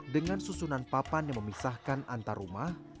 dengan susunan papan yang memisahkan antar rumah